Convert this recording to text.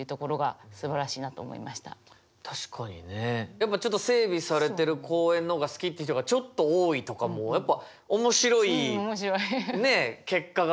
やっぱちょっと整備されてる公園の方が好きっていう人がちょっと多いとかもやっぱ面白いね結果が出てたり。